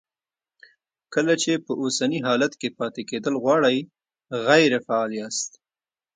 کله چې په اوسني حالت کې پاتې کېدل غواړئ غیر فعال یاست.